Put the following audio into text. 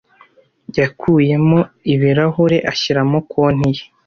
Yakuyemo ibirahure ashyiramo konti ye.